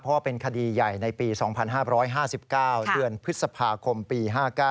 เพราะว่าเป็นคดีใหญ่ในปี๒๕๕๙เดือนพฤษภาคมปี๕๙